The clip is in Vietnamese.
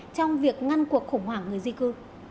trong việc ngăn cuộc khủng hoảng người di cư